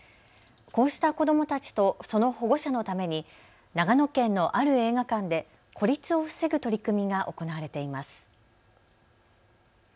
こうした子どもたちとその保護者のために長野県のある映画館で孤立を防ぐ取り組みが行われています。